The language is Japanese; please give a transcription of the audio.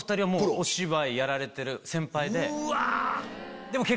お芝居やられてる先輩で。